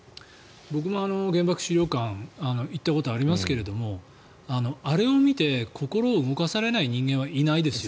僕も原爆資料館行ったことありますけどあれを見て心を動かされない人間はいないですよ。